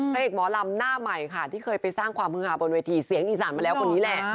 พระเอกหมอลำหน้าใหม่ค่ะที่เคยไปสร้างความฮือหาบนเวทีเสียงอีสานมาแล้วคนนี้แหละ